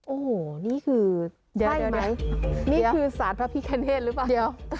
โอ้โหนี่คือใช่ไหมนี่คือสารพระพิกาแน่ทหรือเปล่า